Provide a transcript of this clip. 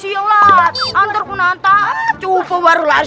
ya kata aku kena permen karet